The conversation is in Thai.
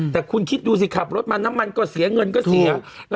แต่คุณคิดดูสิขับรถมาน้ำมันก็เสียเงินก็เสีย